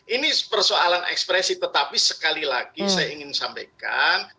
ini persoalan ekspresi tetapi sekali lagi saya ingin sampaikan